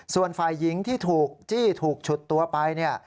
ส่วนฝ่ายหญิงที่ถูกจี้ถูกฉุดตัวไปเนี่ย